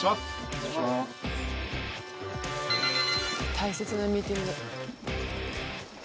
大切なミーティング。